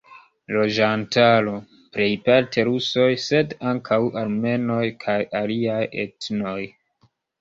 Loĝantaro: plejparte rusoj, sed ankaŭ armenoj kaj aliaj etnoj.